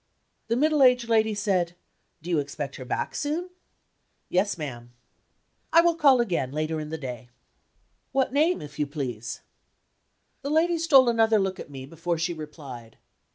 The middle aged lady said: "Do you expect her back soon?" "Yes, ma'am." "I will call again, later in the day." "What name, if you please?" The lady stole another look at me, before she replied.